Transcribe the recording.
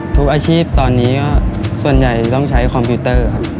ทุกอาชีพตอนนี้ก็ส่วนใหญ่ต้องใช้คอมพิวเตอร์ครับ